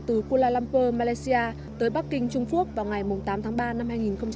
từ kuala lumpur malaysia tới bắc kinh trung quốc vào ngày tám tháng ba năm hai nghìn hai mươi